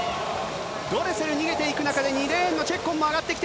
ドレセル逃げていく中で、２レーンのチェッコンも上がってきた。